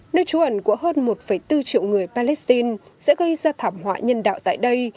nơi trú ẩn của hơn một bốn triệu người palestine sẽ gây ra thảm họa nhân đạo tại đây